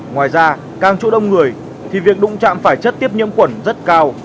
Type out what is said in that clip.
ngoài ra càng chỗ đông người thì việc đụng chạm phải chất tiếp nhiễm khuẩn rất cao